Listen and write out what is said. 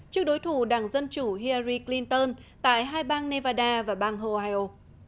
trước đối thủ đảng dân chủ hillary clinton tại hai bang nevada và bang ohio